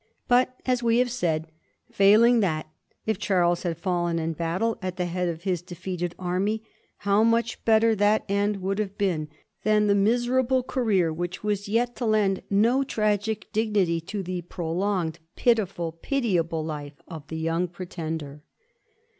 But, as we have said, failing that, if Charles liad fallen in battle at the head of his defeated army, how much better that end would have been than the miserable career which was yet to lend no tragic dignity to the prolonged, pitiful, pitiable life of the Young Pre tender